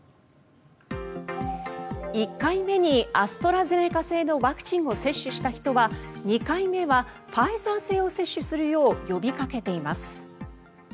１回目にアストラゼネカ製のワクチンを接種した人は２回目はファイザー製を接種するよう呼びかけています。